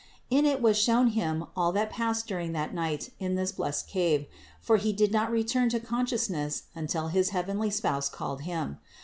In it was shown him all that passed during that night in this blessed cave; for he did not return to con sciousness until his heavenly Spouse called him.